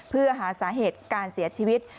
เพื่อหาสาเหตุการเสียชีวิต